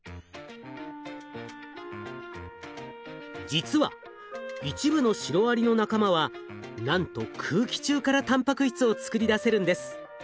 実は一部のシロアリの仲間はなんと空気中からたんぱく質を作り出せるんです。